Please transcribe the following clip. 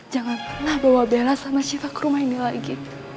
jangan pernah bawa bela sama syifa ke rumah ini lagi